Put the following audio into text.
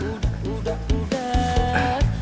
udah tidur udah udah